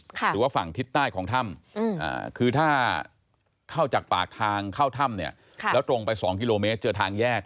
หรือว่าฝั่งทิศใต้ของถ้ำคือถ้าเข้าจากปากทางเข้าถ้ำเนี่ยแล้วตรงไป๒กิโลเมตรเจอทางแยก